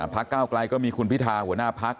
ก้าวไกลก็มีคุณพิธาหัวหน้าพัก